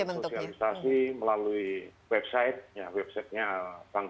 yang pertama adalah pergerakan sosialisasi melalui website ya websitenya bank bni